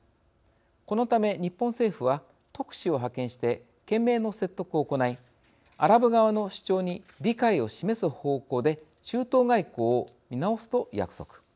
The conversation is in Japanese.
このため日本政府は特使を派遣して懸命の説得を行いアラブ側の主張に理解を示す方向で中東外交を見直すと約束。